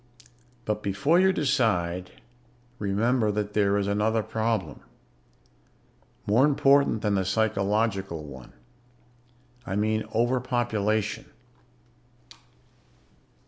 "But before you decide, remember that there is another problem, more important than the psychological one. I mean overpopulation.